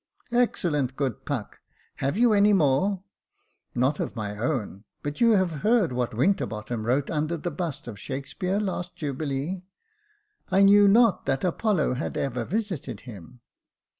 ''^" Excellent, good Puck ! Have you any more ?" "Not of my own, but you have heard what Winter bottom wrote under the bust of Shakespeare last Jubilee?" " I knew not that Apollo had ever visited him."